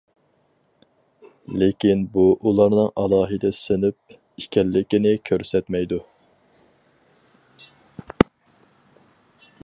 لېكىن بۇ ئۇلارنىڭ ئالاھىدە سىنىپ ئىكەنلىكىنى كۆرسەتمەيدۇ.